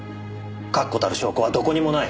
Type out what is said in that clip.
確固たる証拠はどこにもない。